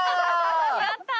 やったー！